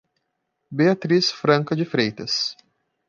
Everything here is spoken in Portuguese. Beatriz Franca de Freitas